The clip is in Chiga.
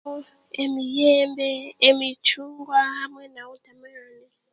Emiyembe emicungwa hamwe na wotameroni